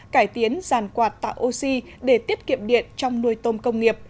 cải tiến giàn quạt tạo oxy để tiết kiệm điện trong nuôi tôm công nghiệp